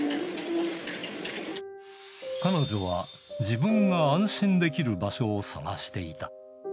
彼女は自分が安心できる場所を探していた。